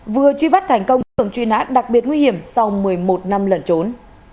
vừa truy bắt thành công trường truy nát đặc biệt nguy hiểm sau một mươi một năm lần trốn